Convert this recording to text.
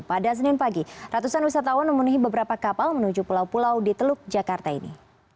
pada senin pagi ratusan wisatawan memenuhi beberapa kapal menuju pulau pulau di teluk jakarta ini